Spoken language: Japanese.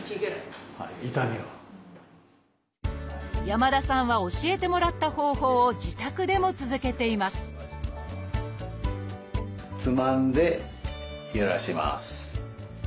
山田さんは教えてもらった方法を自宅でも続けていますつまんでゆらします。